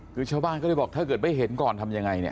คือชาวบ้านก็เลยบอกถ้าเกิดไม่เห็นก่อนทำยังไงเนี่ย